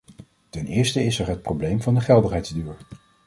Ten eerste is er het probleem van de geldigheidsduur.